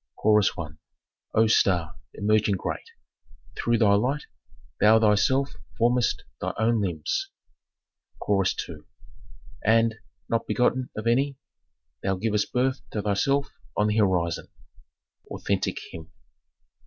Chorus I. "O star, emerging great, through thy light, thou thyself formest thy own limbs." Chorus II. "And, not begotten of any, thou givest birth to thyself on the horizon." Authentic hymn.